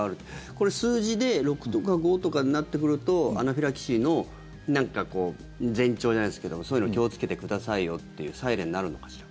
これ数字で６とか５とかになってくるとアナフィラキシーの何か前兆じゃないですけどそういうのに気をつけてくださいよっていうサイレンになるのかしら。